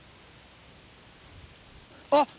あっ！